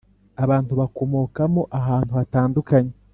abantu bakomokamo ahantu hatandukanye